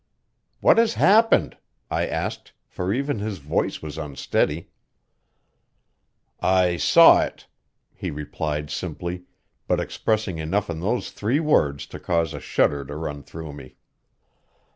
"What has happened?" I asked, for even his voice was unsteady. "I saw it," he replied simply, but expressing enough in those three words to cause a shudder to run through me.